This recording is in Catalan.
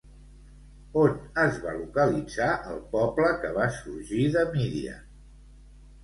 On es va localitzar el poble que va sorgir de Midian?